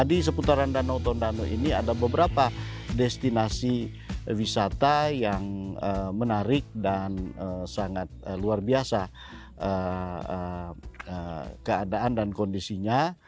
di seputaran danau tondano ini ada beberapa destinasi wisata yang menarik dan sangat luar biasa keadaan dan kondisinya